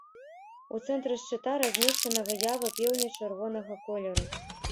У цэнтры шчыта размешчана выява пеўня чырвонага колеру.